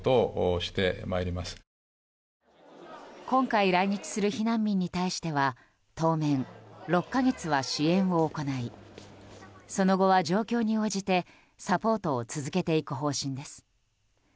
今回来日する避難民に対しては当面、６か月は支援を行いその後は状況に応じてサポートを続けていく方針です。